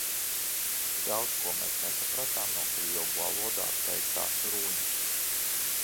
Daudz ko mēs nesapratām no krievu valodā teiktās runas.